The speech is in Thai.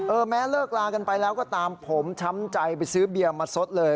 แม้เลิกลากันไปแล้วก็ตามผมช้ำใจไปซื้อเบียร์มาซดเลย